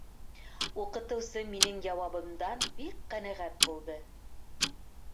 Уҡытыусы минең яуабымдан бик ҡәнәғәт булды